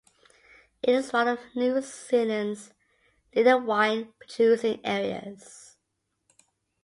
It is one of New Zealand's leading wine producing areas.